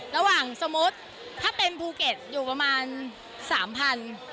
ระหว่างสมมุติถ้าเป็นภูเก็ตอยู่ประมาณ๓๐๐๐บาท